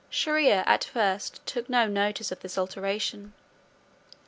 Shier ear at first took no notice of this alteration.